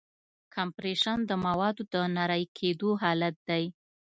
کمپریشن د موادو د نری کېدو حالت دی.